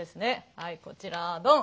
はいこちらドン。